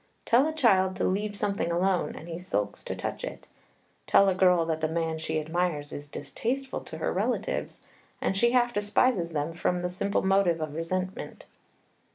Tell a child to leave something alone, and he sulks to touch it. Tell a girl that the man she admires is distasteful to her relatives, and she half despises them from a simple motive of resentment.